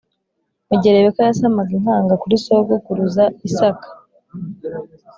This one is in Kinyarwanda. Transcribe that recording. mu gihe Rebeka yasamaga impanga kuri sogokuruza Isaka